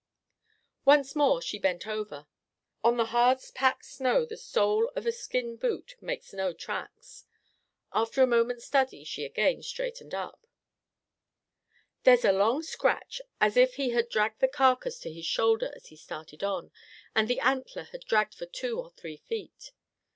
Once more she bent over. On the hard packed snow, the sole of a skin boot makes no tracks. After a moment's study she again straightened up. "There's a long scratch, as if he had dragged the carcass to his shoulder as he started on, and an antler had dragged for two or three feet.